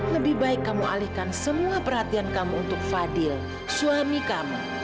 lebih baik kamu alihkan semua perhatian kamu untuk fadil suami kamu